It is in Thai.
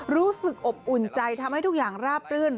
รู้สึกอบอุ่นใจทำให้ทุกอย่างราบรื่น